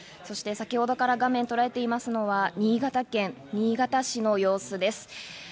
そして先ほどから画面がとらえていますのは新潟県新潟市の様子です。